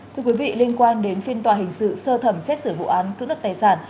thưa quý vị liên quan đến phiên tòa hình sự sơ thẩm xét xử vụ án cưỡng đất tài sản